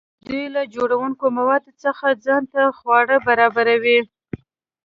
دوی له جوړونکي موادو څخه ځان ته خواړه برابروي.